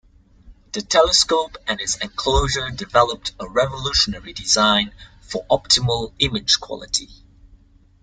The telescope and its enclosure developed a revolutionary design for optimal image quality.